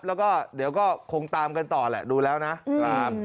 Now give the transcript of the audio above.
แล้วก็เดี๋ยวก็คงตามกันต่อแหละดูแล้วนะครับ